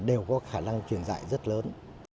đều có khả năng truyền dại rất lớn